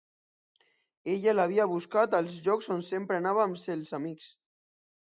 Ella l'havia buscat als llocs on sempre anava amb els amics.